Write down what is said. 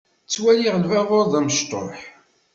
Ttwaliɣ lbabuṛ d amecṭuḥ.